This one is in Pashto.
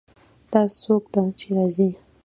دا څوک ده چې راځي